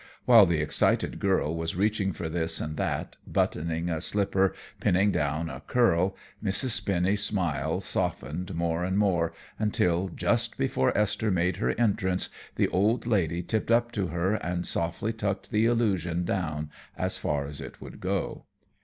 While the excited girl was reaching for this and that, buttoning a slipper, pinning down a curl, Mrs. Spinny's smile softened more and more until, just before Esther made her entrance, the old lady tiptoed up to her and softly tucked the illusion down as far as it would go.